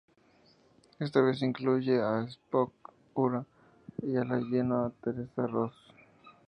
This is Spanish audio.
Esta vez incluye a Spock, Uhura y a la Yeoman Teresa Ross.